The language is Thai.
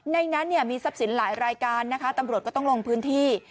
ในนั้นเนี่ยมีทรัพย์สินหลายรายการนะคะตำรวจก็ต้องลงพื้นที่